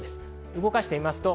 動かしてみます。